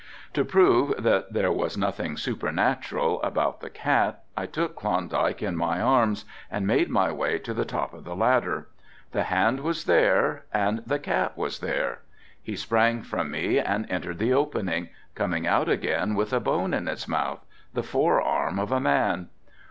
To prove that there was nothing supernatural about the cat, I took Klondike in my arms and made my way to the top of the ladder. The hand was there and the cat was there. He sprang from me and entered the opening, coming out again with a bone in his mouth, the fore arm of a man.